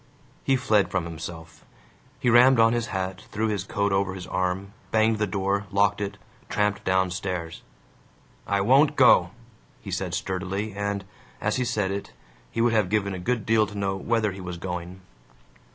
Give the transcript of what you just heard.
He fled from himself. He rammed on his hat, threw his coat over his arm, banged the door, locked it, tramped downstairs. "I won't go!" he said sturdily and, as he said it, he would have given a good deal to know whether he was going.